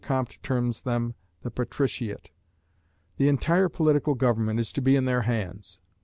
Comte terms them, the patriciate. The entire political government is to be in their hands.